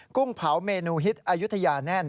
กุ้งเผาเมนูฮิตอายุทยาแน่น